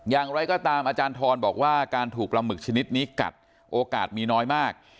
อย่างไรก็ตามอาจารย์ทรบอกว่าการถูกปลาหมึกชนิดนี้กัดโอกาสมีน้อยมาก